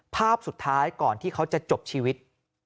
ภาพสุดท้ายก่อนที่เขาจะจบชีวิต